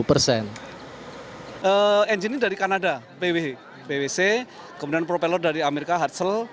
engine ini dari kanada bwc kemudian propeller dari amerika hatsel